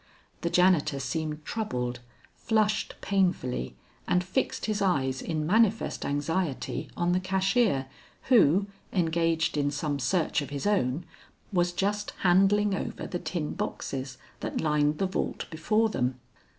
The janitor seemed troubled, flushed painfully and fixed his eyes in manifest anxiety on the cashier who, engaged in some search of his own, was just handling over the tin boxes that lined the vault before them.